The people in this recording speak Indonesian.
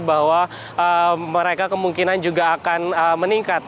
bahwa mereka kemungkinan juga akan meningkat